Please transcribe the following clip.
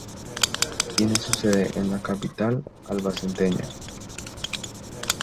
Tiene su sede en la capital albaceteña.